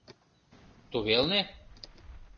Тувелне?